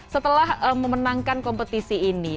setelah memenangkan kompetisi ini